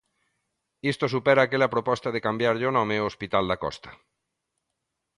Isto supera aquela proposta de cambiarlle o nome ao Hospital da Costa.